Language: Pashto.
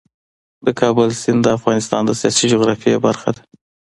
د کابل سیند د افغانستان د سیاسي جغرافیې برخه ده.